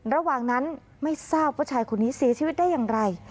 ระหว่างนั้นไม่ทราบว่าชายคนนี้เสียชีวิตได้อย่างไร